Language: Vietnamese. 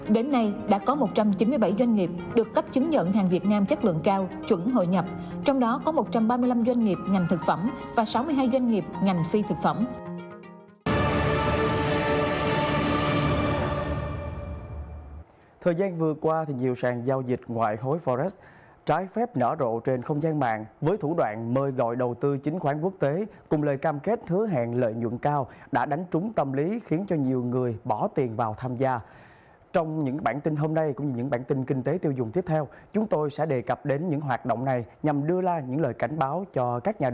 đến nay đã có một trăm chín mươi bảy doanh nghiệp được cấp chứng nhận hàng việt nam chất lượng cao chuẩn hội nhập